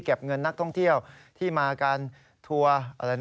เก็บเงินนักท่องเที่ยวที่มากันทัวร์